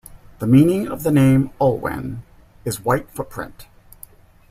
The meaning of the name Olwen is "white footprint".